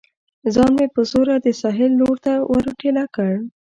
ځان مې په زوره د ساحل لور ته ور ټېله کړ.